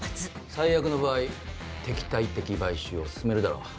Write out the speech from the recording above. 最悪の場合敵対的買収を進めるだろう。